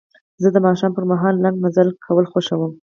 زه د ماښام پر مهال لنډ مزل کول خوښوم.